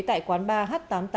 tại quán ba h tám mươi tám